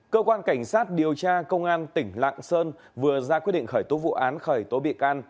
cơ quan cảnh sát điều tra công an tp hcm vừa ra quyết định khởi tố vụ án khởi tố bị can